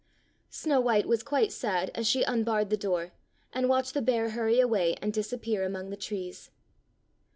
Snow white was quite sad as she unbarred the door, and watched the bear hurry away and disappear among the trees.